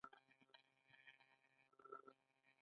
د ګاونډیانو حق ته ډېر پام کیږي.